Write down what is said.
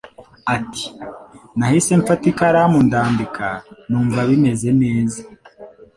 Ati “Nahise mfata ikaramu ndandika, numva bimeze neza.